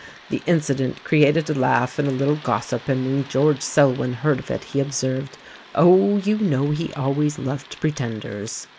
The incident created a laugh and a little gossip; and when George Selwyn heard of it he observed, 'Oh! you know he always loved Pretenders.'"